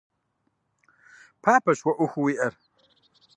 Папэщ уэ Ӏуэхуу уиӀэр.